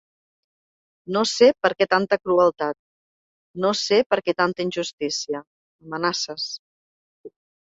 No sé perquè tant crueltat, no sé perquè tanta injustícia, amenaces.